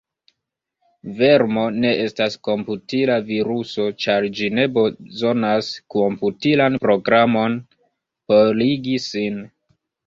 Vermo ne estas komputila viruso ĉar ĝi ne bezonas komputilan programon por ligi sin.